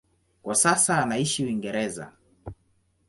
Kwa sasa anaishi Uingereza.